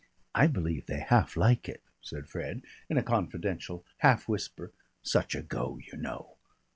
"I believe they half like it," said Fred, in a confidential half whisper. "Such a go, you know.